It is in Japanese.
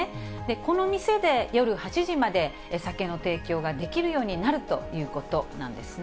この店で夜８時まで酒の提供ができるようになるということなんですね。